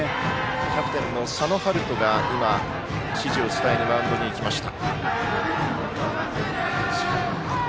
キャプテンの佐野春斗が指示を伝えにマウンドに行きました。